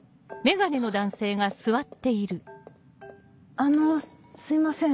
あのすいません。